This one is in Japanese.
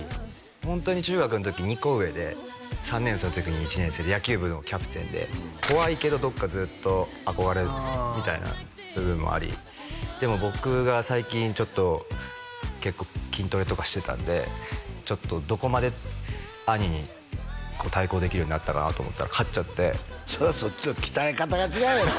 ホントに中学の時２コ上で３年生の時に１年生で野球部のキャプテンで怖いけどどっかずっと憧れみたいな部分もありでも僕が最近ちょっと結構筋トレとかしてたんでちょっとどこまで兄に対抗できるようになったかなと思ったら勝っちゃってそれはそっちの鍛え方が違うやんか